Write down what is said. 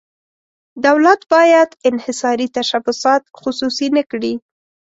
دولت باید انحصاري تشبثات خصوصي نه کړي.